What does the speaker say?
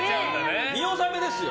見納めですよ。